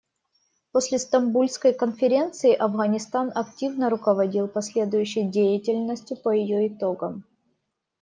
После Стамбульской конференции Афганистан активно руководил последующей деятельностью по ее итогам.